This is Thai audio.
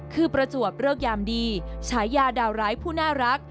คือประจวบเริกยามดีฉายาดาวร้ายผู้น่ารัก